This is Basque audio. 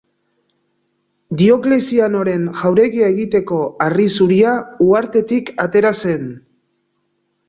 Dioklezianoren jauregia egiteko harri zuria uhartetik atera zen.